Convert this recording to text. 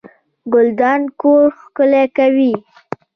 ګلدان کور ښکلی کوي